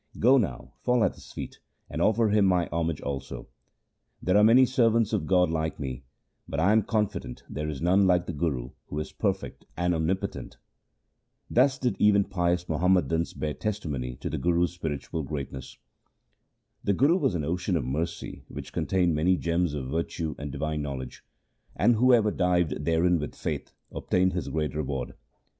Go now, fall at his feet, and offer him my homage also. There are many servants of God like me, but I am confident there is none like the Guru who is perfect and omnipotent.' Thus did even pious Muhammadans bear testimony to the Guru's spiritual greatness. The Guru was an ocean of mercy which contained many gems of virtue and divine knowledge ; and whoever dived therein with faith obtained his great reward.